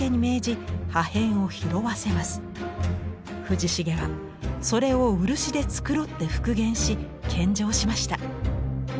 藤重はそれを漆で繕って復元し献上しました。